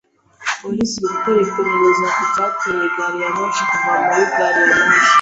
Polisi iri gukora iperereza ku cyateye gari ya moshi kuva muri gari ya moshi.